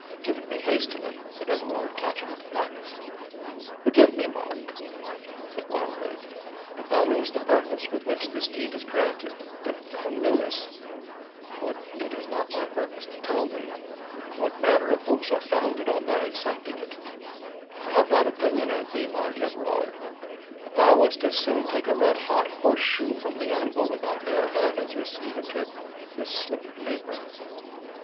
"Give it me hastily," said Everard, catching at the packet. "Forgive me, Mark," said Wildrake; "if thou knewest the purpose with which this deed is granted—if thou knewest—what it is not my purpose to tell thee—what manner of hopes are founded on thy accepting it, I have that opinion of thee, Mark Everard, that thou wouldst as soon take a red hot horse shoe from the anvil with thy bare hand, as receive into it this slip of paper."